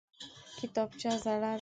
کتابچه زړه ده!